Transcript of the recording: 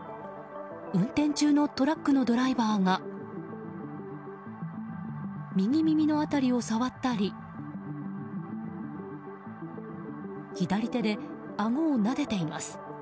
運転中のトラックのドライバーが右耳の辺りを触ったり左手であごをなでています。